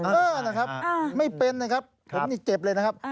เออนะครับไม่เป็นนะครับผมนี่เจ็บเลยนะครับ